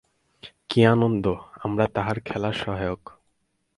কি আনন্দ! আমরা তাঁহার খেলার সহায়ক।